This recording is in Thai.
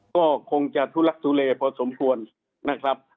ก็คงจะทุลักทุเลพอสมควรนะครับ